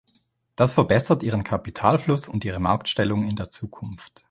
Das verbessert ihren Kapitalfluss und ihre Marktstellung in der Zukunft.